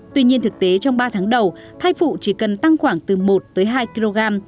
tuy nhiên thực tế trong ba tháng đầu thai phụ chỉ cần tăng khoảng từ một tới hai kg